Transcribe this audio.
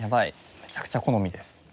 めちゃくちゃ好みです。